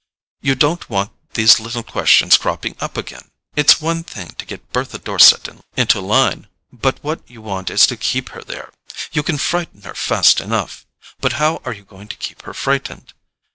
You don't want these little questions cropping up again. It's one thing to get Bertha Dorset into line—but what you want is to keep her there. You can frighten her fast enough—but how are you going to keep her frightened?